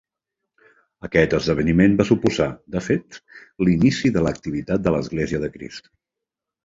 Aquest esdeveniment va suposar, de fet, l'inici de l'activitat de l'Església de Crist.